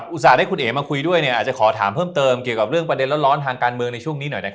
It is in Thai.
ให้คุณเอ๋มาคุยด้วยอาจจะขอถามเพิ่มเติมเกี่ยวกับเรื่องประเด็นร้อนทางการเมืองในช่วงนี้หน่อยนะครับ